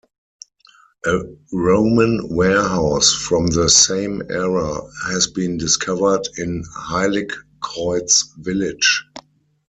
A Roman warehouse from the same era has been discovered in Heiligkreuz village.